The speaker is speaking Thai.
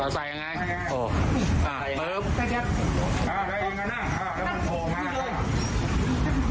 เราใส่ยังไงโอ้อ่าพึบได้แจ็บ